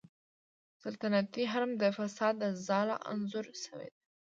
سلطنتي حرم د فساد ځاله انځور شوې ده.